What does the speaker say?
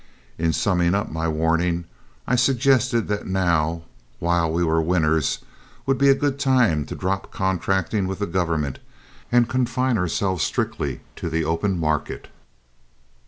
In summing up my warning, I suggested that now, while we were winners, would be a good time to drop contracting with the government and confine ourselves strictly to the open market.